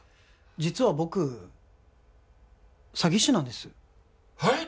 実は僕詐欺師なんですはい！？